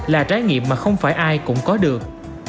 là trái nghiệm mà không phải ai cũng có được